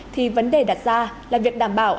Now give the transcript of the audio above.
thì vấn đề đặt ra là việc đảm bảo